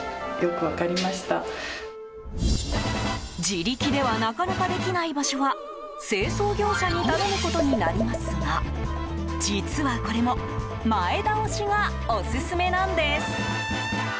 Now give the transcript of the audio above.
自力ではなかなかできない場所は清掃業者に頼むことになりますが実はこれも前倒しがオススメなんです。